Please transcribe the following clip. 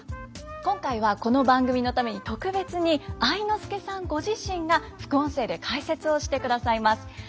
今回はこの番組のために特別に愛之助さんご自身が副音声で解説をしてくださいます。